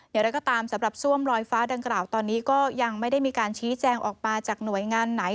อย่างไรก็ตามสำหรับซ่วมลอยฟ้าดังกล่าวตอนนี้ก็ยังไม่ได้มีการชี้แจงออกมาจากหน่วยงานไหน